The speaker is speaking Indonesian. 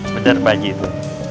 mencari pak ji itu